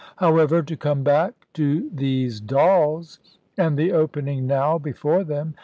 However, to come back to these dolls, and the opening now before them.